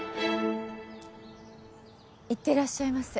いってらっしゃいませ。